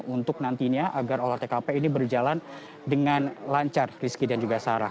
untuk nantinya agar olah tkp ini berjalan dengan lancar rizky dan juga sarah